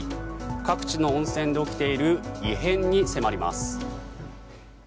各地の温泉で起きている異変に迫ります。